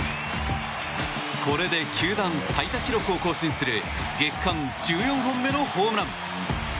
これで球団最多記録を更新する月間１４本目のホームラン。